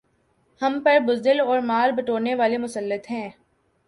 ہم پر بزدل اور مال بٹورنے والے مسلط ہیں